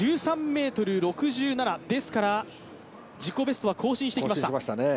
１３ｍ６７、ですから自己ベストは更新してきました。